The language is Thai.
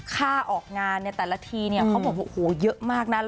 ค่าออกงานในแต่ละทีเนี่ยเขาบอกว่าเยอะมากนะ